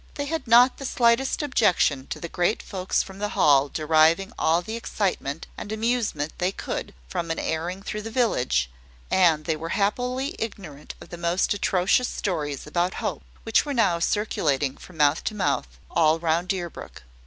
They had not the slightest objection to the great folks from the Hall deriving all the excitement and amusement they could from an airing through the village; and they were happily ignorant of the most atrocious stories about Hope which were now circulating from mouth to mouth, all round Deerbrook.